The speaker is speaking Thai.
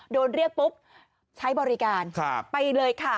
โดนเรียกปุ๊บใช้บริการไปเลยค่ะ